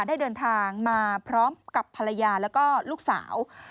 ได้เดินทางมาพร้อมกับภรรยาแล้วก็ลูกสาว